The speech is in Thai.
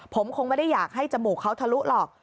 ผมคงไม่ได้อยากให้จมูกเขาทะลุหรอก